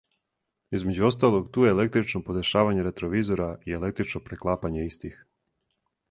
Између осталог, ту је електрично подешавање ретровизора и електрично преклапање истих.